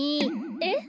えっ？